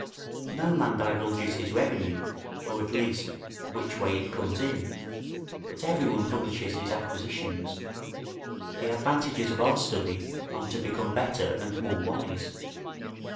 No man divulges his revenue; or, at least, which way it comes in but every one publishes his acquisitions. The advantages of our study are to become better and more wise.